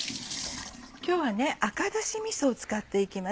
今日は赤だしみそを使って行きます。